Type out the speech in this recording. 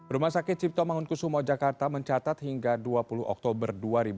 rumah sakit cipto mangunkusumo jakarta mencatat hingga dua puluh oktober dua ribu dua puluh